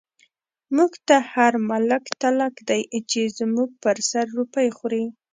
موږ ته هر ملک تلک دی، چی زموږ په سر روپۍ خوری